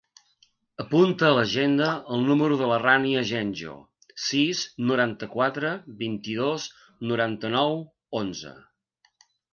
Apunta a l'agenda el número de la Rània Agenjo: sis, noranta-quatre, vint-i-dos, noranta-nou, onze.